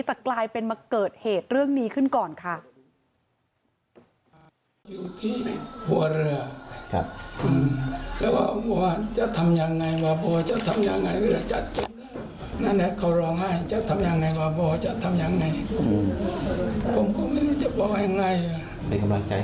แต่กลายเป็นมาเกิดเหตุเรื่องนี้ขึ้นก่อนค่ะ